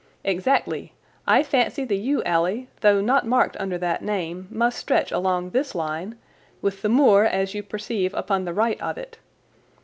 "Exactly. I fancy the yew alley, though not marked under that name, must stretch along this line, with the moor, as you perceive, upon the right of it.